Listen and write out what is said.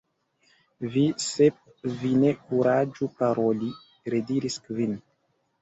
" Vi, Sep, vi ne kuraĝu paroli!" rediris Kvin.